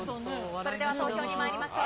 それでは投票にまいりましょう。